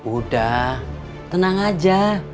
udah tenang aja